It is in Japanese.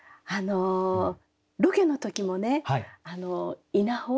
ロケの時もね稲穂